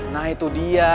nah itu dia